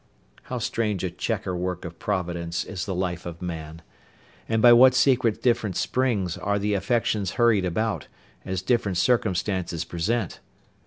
How strange a chequer work of Providence is the life of man! and by what secret different springs are the affections hurried about, as different circumstances present!